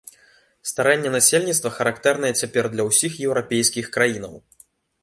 Старэнне насельніцтва характэрнае цяпер для ўсіх еўрапейскіх краінаў.